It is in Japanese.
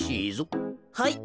はい。